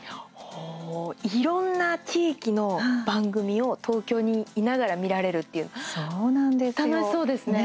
いろんな地域の番組を東京にいながら見られるそうなんですよね。